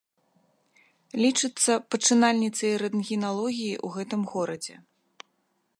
Лічыцца пачынальніцай рэнтгеналогіі ў гэтым горадзе.